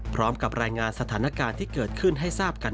พร้อมกับรายงานสถานการณ์ที่เกิดขึ้นให้ทราบกัน